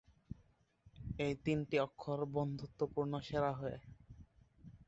এই তিনটি অক্ষর বন্ধুত্বপূর্ণ সেরা হয়ে।